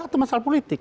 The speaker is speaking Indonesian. atau masalah politik